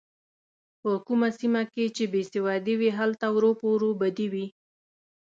په کومه سیمه کې چې بې سوادي وي هلته وره په وره بدي وي.